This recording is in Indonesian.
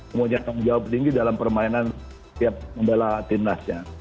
memenuhi tanggung jawab tinggi dalam permainan setiap pembela timnasnya